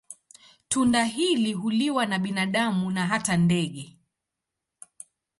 Tunda hili huliwa na binadamu na hata ndege.